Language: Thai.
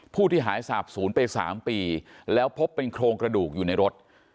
ที่หายสาบศูนย์ไป๓ปีแล้วพบเป็นโครงกระดูกอยู่ในรถ